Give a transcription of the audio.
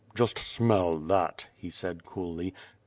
"Just smell that," he said coolly.